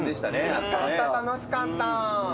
楽しかった楽しかった。